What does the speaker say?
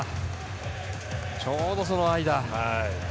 ちょうどその間。